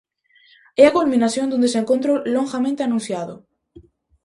É a culminación dun desencontro longamente anunciado.